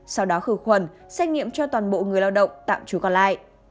sau đó khử khuẩn xét nghiệm cho toàn bộ người lao động tạm trú còn lại